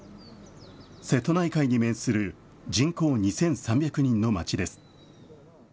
瀬戸内海に面する人口２３００人の町です。